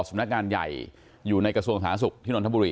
สมนักงานใหญ่อยู่ในกระทรวงสถานศึกษ์ที่นทบุรี